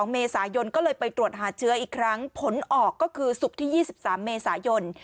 ๒เมษายนก็เลยไปตรวจหาเชื้ออีกครั้งผลออกก็คือศุกร์ที่๒๓เมษายน